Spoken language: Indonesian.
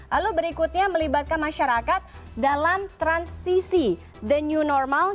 lalu berikutnya melibatkan masyarakat dalam transisi the new normal